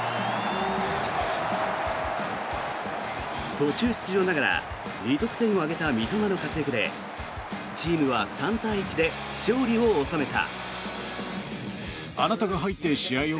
途中出場ながら２得点を挙げた三笘の活躍でチームは３対１で勝利を収めた。